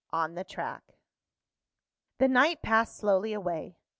ON THE TRACK._ The night passed slowly away.